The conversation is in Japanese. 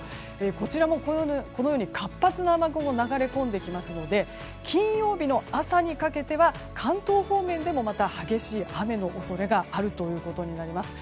こちらも、このように活発な雨雲が流れ込んできますので金曜日の朝にかけては関東方面でもまた激しい雨の恐れがあるということになります。